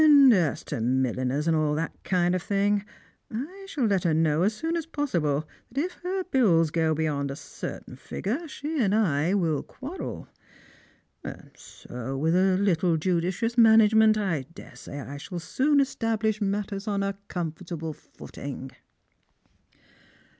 And as to milliners and all that kind of thing, I shall let her know as soon as possible that if her bills go beyond a certain figure, she and I will quarrel ; and so, with a little judicious management, I daresay I shall soon establish matters on a comfortable footing."